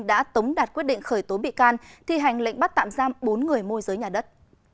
đã tống đạt quyết định khởi tố bị can thi hành lệnh bắt tạm giam bốn người môi giới nhà đất